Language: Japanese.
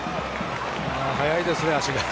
速いですね、足が。